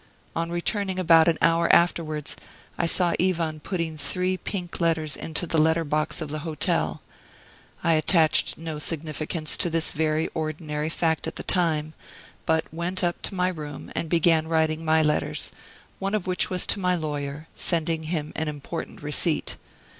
On returning about an hour afterwards I saw Ivan putting three pink letters into the letter box of the hotel. I attached no significance to this very ordinary fact at the time, but went up to my room and began writing my letters, one of which was to my lawyer, sending him an important receipt.